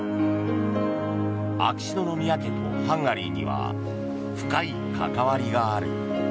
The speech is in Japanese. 秋篠宮家とハンガリーには深い関わりがある。